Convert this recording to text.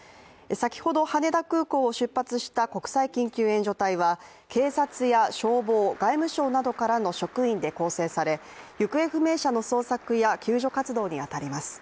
先ほど羽田空港を出発した国際緊急援助隊は警察や消防、外務省などからの職員で構成され行方不明者の捜索や救助活動に当たります。